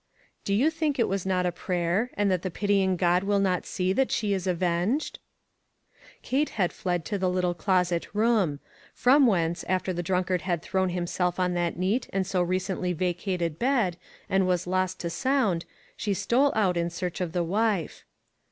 Do you think it vras not a prayer, and that the pitying God will not see that she is avenged? Kate had fled to the little closet room ; from whence, after the drunkard had thrown himself on that neat and so recently vacated bed, and was lost to sound, she stole out in search of the wife.